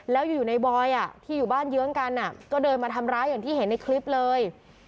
แล้วอยู่ในบอยที่อยู่บ้านเยื้องกันก็เดินมาทำร้ายอย่างที่เห็นในคลิปเลย